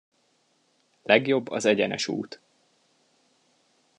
Legjobb az egyenes út.